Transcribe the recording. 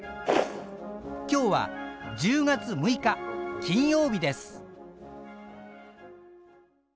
今日は１０月６日金曜日です。